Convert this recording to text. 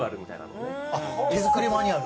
手作りマニュアル？